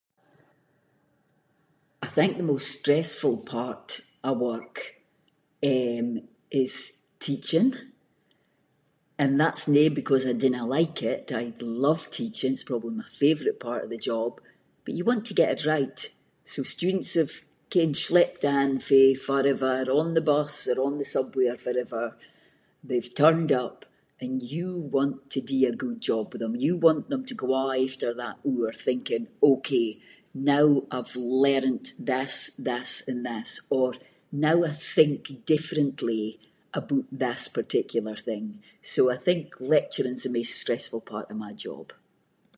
I think the most stressful part of work, eh, is teaching, and that’s no because I dinna like it, I love teaching, it’s probably my favourite part of the job, but you want to get it right, so students have ken schlepped in fae farrever, on the bus or on the subway or farrever, they’ve turned up and you want to do a good job with them, you want them to go awa’ after that hour, thinking “ok, now I’ve learnt this, this, and this” or “now I think differently aboot this particular thing”, so I think lecturing’s the maist stressful part of my job.